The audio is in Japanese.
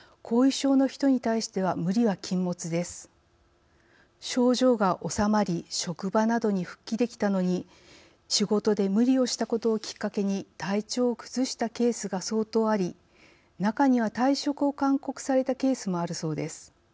症状がおさまり職場などに復帰できたのに仕事で無理をしたことをきっかけに体調を崩したケースが相当あり中には退職を勧告されたケースもあるそうです。